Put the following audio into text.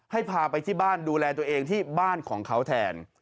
ให้พาไปที่บ้านดูแลตัวเองที่บ้านของเขาแทน